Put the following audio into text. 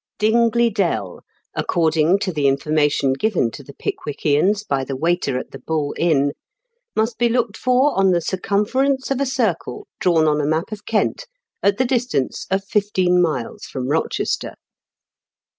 Dingley Dell, according to the information given to the Pick^ckians by the waiter at The Bull Inn, must be looked for on the circumference of a circle drawn on a map of Kent at the distance of fifteen miles from Rochester.